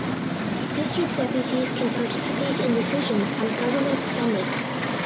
District deputies can participate in decisions on government spending.